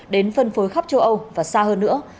đến phân phối khắp châu âu và xa hơn nữa